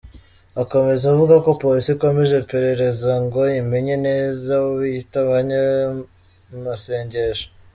Akomeza avuga ko Polisi ikomeje iperereza ngo imenye neza abo biyita abanyamasengesho.